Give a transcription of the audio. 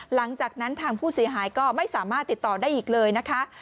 หลังจากนั้นทางผู้เสียหายก็ไม่สามารถติดต่อได้อีกเลยนะคะ